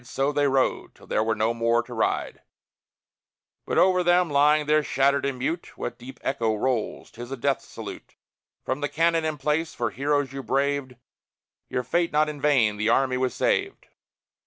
So they rode, till there were no more to ride. But over them, lying there shattered and mute, What deep echo rolls? 'Tis a death salute From the cannon in place; for, heroes, you braved Your fate not in vain; the army was saved!